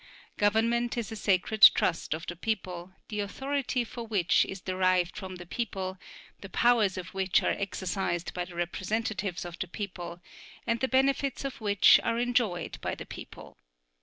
Government is a sacred trust of the people, the authority for which is derived from the people, the powers of which are exercised by the representatives of the people, and the benefits of which are enjoyed by the people.